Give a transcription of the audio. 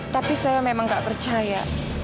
tapi saya memang gak percaya